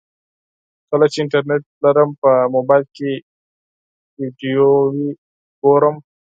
کله چې انټرنټ لرم په موبایل کې ویډیوګانې ګورم.